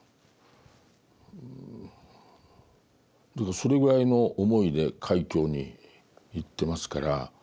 それぐらいの思いで開教に行ってますから。